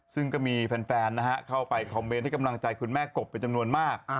ซึ่งก็มีแฟนเข้าไปคอมเมนต์ให้กำลังใจคุณแม่กบเป็นจำนวนมาก